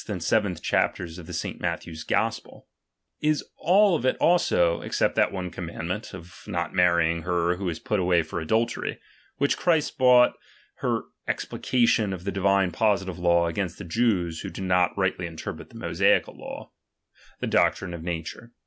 and vii. chapters of St. Matthew's Gospel), is all of it also (except that one commandment, of not marrying her who is put away for adultery ; which Christ brought for ex:pli cation of the divine positive law, against the Jews, who did not rightly interpret the Mosaical law) the doctrine of nature.